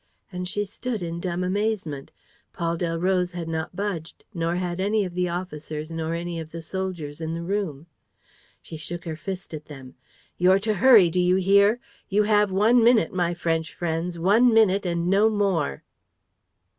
And she stood in dumb amazement: Paul Delroze had not budged, nor had any of the officers nor any of the soldiers in the room. She shook her fist at them: "You're to hurry, do you hear? ... You have one minute, my French friends, one minute and no more!